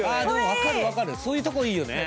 分かる分かる、そういうとこいいよね。